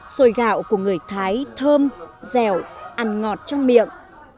xôi gạo của người thái thơm dẻo ăn ngọt trong miệng